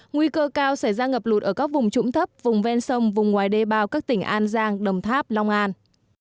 nguy cơ cao sẽ ra ngập lụt ở các vùng trũng thấp vùng ven sông vùng ngoài đê bao các tỉnh an giang đồng tháp long an